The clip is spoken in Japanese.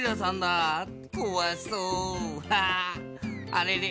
あれれ？